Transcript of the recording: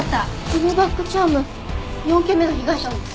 このバッグチャーム４件目の被害者の。